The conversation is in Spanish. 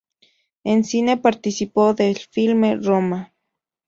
En cine participó del filme "Roma".